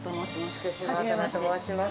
福島と申します。